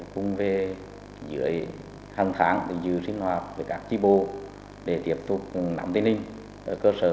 cùng với dưới hàng tháng để giữ sinh hoạt các tri bộ để tiếp tục nắm tên in cơ sở